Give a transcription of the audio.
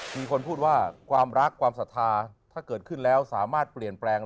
มีคนพูดว่าความรักความศรัทธาถ้าเกิดขึ้นแล้วสามารถเปลี่ยนแปลง